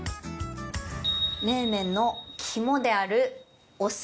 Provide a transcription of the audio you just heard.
冷麺の肝であるお酢。